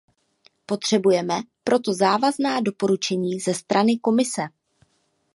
Potřebujeme proto závazná doporučení ze strany Komise.